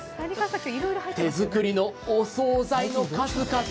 手作りのお総菜の数々。